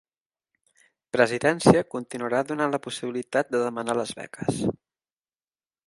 Presidència continuarà donant la possibilitat de demanar les beques